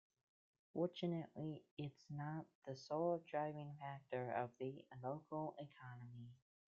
Fortunately its not the sole driving factor of the local economy.